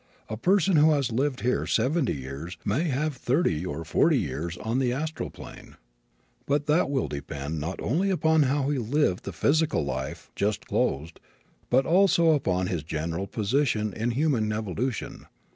A person who has lived here seventy years may have thirty or forty years on the astral plane. But that will depend not only upon how he lived the physical life just closed but also upon his general position in human evolution.